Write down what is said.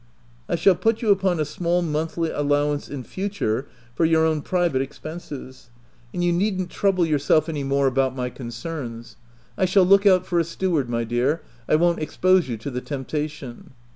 I shall put you upon a small monthly allowance, in future, for your own private ex penses ; and you needn't trouble yourself any 64 THE TENANT more about my concerns ; I shall look out for a steward, my dear ; I won't expose you to the temptation.